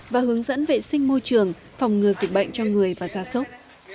và hướng dẫn vệ sinh môi trường phòng ngừa dịch bệnh cho người và gia sốc